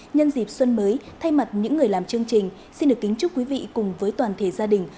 nhân dịp xuân mới thay mặt những người làm chương trình xin được kính chúc quý vị cùng với toàn thể gia đình